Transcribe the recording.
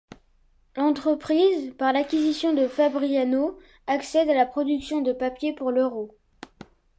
L'entreprise, par l'acquisition de Fabriano, accède à la production de papier pour l'Euro.